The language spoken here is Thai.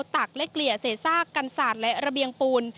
ตักและเกลี่ยเศษซากกันศาสตร์และระเบียงปูน